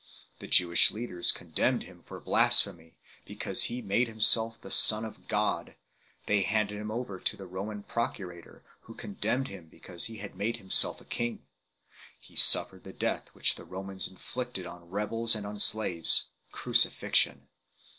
The Jewish leaders condemned Him for blasphemy, because He made Himself the Son of God; they handed Him over to the Roman procurator, who con demned Him because He made Himself a king. He suffered the death which the Romans inflicted on rebels and on slaves crucifixion.